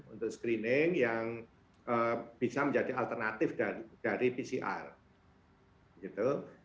untuk screening yang bisa menjadi alternatif dari pcr gitu